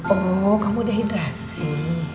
oh kamu dehidrasi